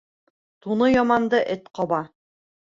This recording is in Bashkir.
Туны яманды эт ҡаба.